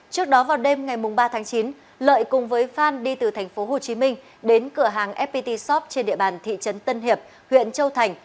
trước đó vào đêm ngày ba tháng chín lợi cùng với phan đi từ tp hcm đến cửa hàng fpt shop trên địa bàn thị trấn tân hiệp huyện châu thành